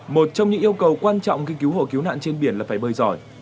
một trong những yêu cầu quan trọng khi cứu hộ cứu nạn trên biển là phải bơi giỏi